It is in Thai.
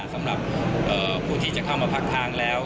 สำหรับผู้ที่จะเข้ามาพักทางแล้ว